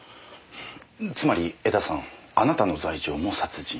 つまり江田さんあなたの罪状も殺人。